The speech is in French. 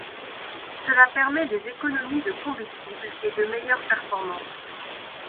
Cela permet des économies de combustible et de meilleures performances.